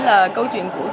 là câu chuyện của trang